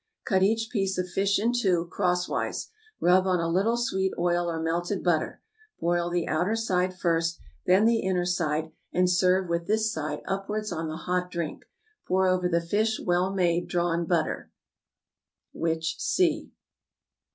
Cut each piece of fish in two, crosswise; rub on a little sweet oil or melted butter; broil the outer side first, then the inner side, and serve with this side upwards on the hot dish; pour over the fish well made drawn butter (which see).